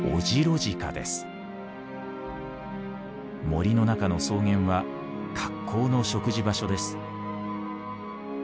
森の中の草原は格好の食事場所です。